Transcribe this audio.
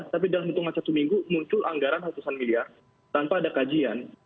tapi dalam hitungan satu minggu muncul anggaran ratusan miliar tanpa ada kajian